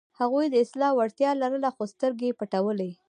هغوی د اصلاح وړتیا لرله، خو سترګې یې پټولې.